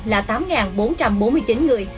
là tám bốn trăm bốn mươi chín người